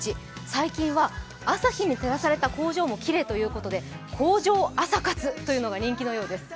最近は朝日に照らされた工場もきれいということで工場朝活というのが人気のようです。